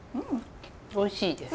おいしいです。